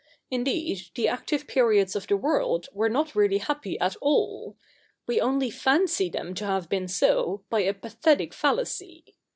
Indeed, the active periods of the world were not really happy at all. We only fancy them to have been so by a pathetic fallacy.